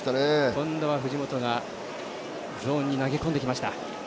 今度は藤本がゾーンに投げ込んできました。